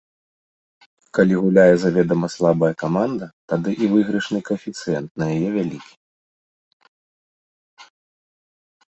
Калі гуляе заведама слабая каманда, тады і выйгрышны каэфіцыент на яе вялікі.